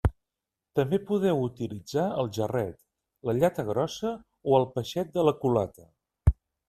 També podeu utilitzar el jarret, la llata grossa o el peixet de la culata.